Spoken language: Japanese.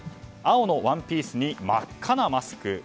青のワンピースに真っ赤なマスク。